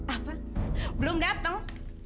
apa belum datang